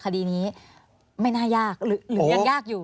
กรุงงานยากอยู่